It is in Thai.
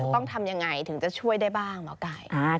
ต้องทำยังไงถึงจะช่วยได้บ้างหมอไก่